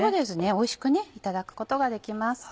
おいしくいただくことができます。